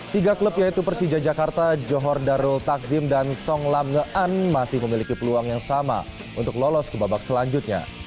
tiga klub yaitu persija jakarta johor darul takzim dan song lam ngean masih memiliki peluang yang sama untuk lolos ke babak selanjutnya